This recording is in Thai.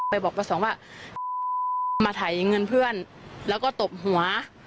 บอกประสงค์ว่ามาถ่ายเงินเพื่อนแล้วก็ตบหัว